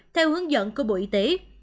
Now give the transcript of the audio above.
theo hướng dẫn của bộ y tế